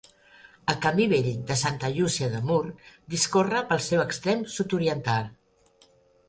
El Camí vell de Santa Llúcia de Mur discorre pel seu extrem sud-oriental.